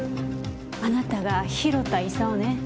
あなたが広田功ね。